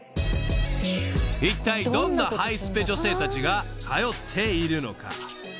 ［いったいどんなハイスペ女性たちが通っているのか？］